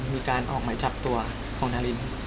มีการออกหมายจับตัวของนาริน